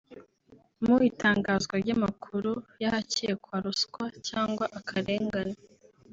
Mu itangwa ry’amakuru y’ahakekwa ruswa cyangwa akarengane